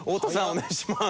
お願いします。